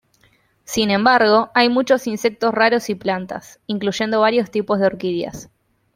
Sin embargo, hay muchos insectos raros y plantas, incluyendo varios tipos de orquídeas.